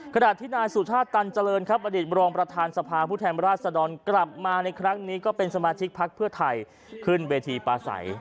ขณะที่นายสุชาติตันเจริญครับอดีตบรองประธานสภาผู้แทนราชดรกลับมาในครั้งนี้ก็เป็นสมาชิกพักเพื่อไทยขึ้นเวทีปลาใส